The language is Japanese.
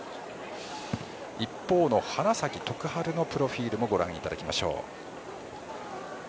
一方の花咲徳栄のプロフィールもご覧いただきましょう。